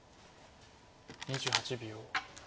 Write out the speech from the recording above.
２８秒。